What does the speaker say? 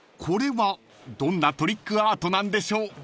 ［これはどんなトリックアートなんでしょう？］